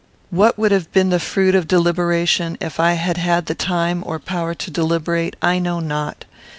What would have been the fruit of deliberation, if I had had the time or power to deliberate, I know not.